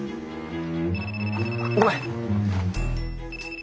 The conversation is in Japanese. ごめん。